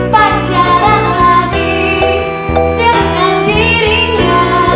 pacaran lagi dengan dirinya